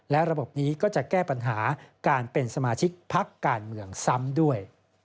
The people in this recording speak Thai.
และระบบนี้ก็จะแก้ปัญหาการเป็นสมาชิกพักการเมืองซ้ำด้วย